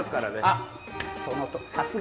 あっさすが！